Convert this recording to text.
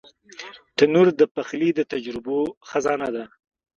تنور د پخلي د تجربو خزانه ده